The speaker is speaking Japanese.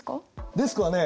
デスクはね